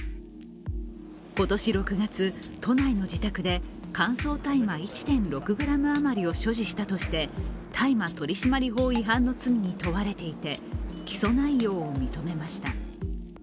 今年６月、都内の自宅で乾燥大麻１．６ｇ余りを所持したとして大麻取締法違反の罪に問われていて、起訴内容を認めました。